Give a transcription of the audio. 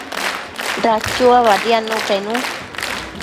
Dachua badiadshun pennu